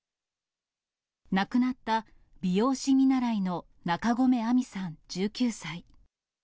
亡くなった美容師見習いの中込愛美さん１９歳。